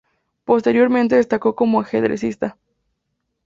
Posteriormente destacó como ajedrecista.